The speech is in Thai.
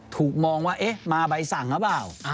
ถูกมองว่าเอ๊ะมาใบสั่งหรือเปล่า